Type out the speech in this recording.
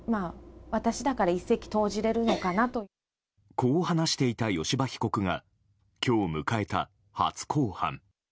こう話していた吉羽被告が今日迎えた初公判。